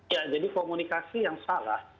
ya jadi komunikasi yang salah